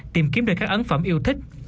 tìm kiếm được các ấn phẩm yêu thích